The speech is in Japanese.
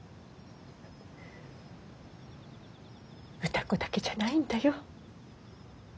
歌子だけじゃないんだよ。